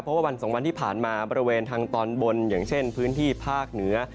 เพราะว่าวันสองวันที่ผ่านมาบริเวณทางตอนบนอย่างเช่นพื้นที่ภาคเหนือ